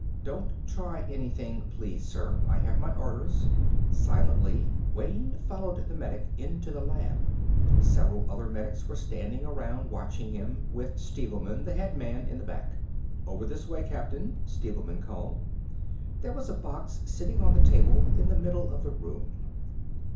"Don't try anything, please, sir. I have my orders." Silently, Wayne followed the medic into the lab. Several other medics were standing around watching him, with Stevelman, the head man, in the back. "Over this way, Captain," Stevelman called. There was a box sitting on a table in the middle of the room.